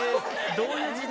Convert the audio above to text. どういう時代？